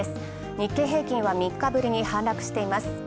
日経平均は、３日ぶりに反落しています。